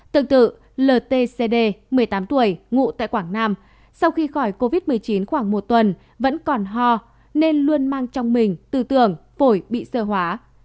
tương tự l t c d một mươi tám tuổi ngụ tại quảng nam sau khi khỏi covid một mươi chín khoảng một tuần vẫn còn ho nên luôn mang trong mình tư tưởng phổi bị sơ hóa